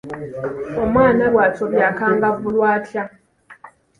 Omwana bw'asobya akangavvulwa atya?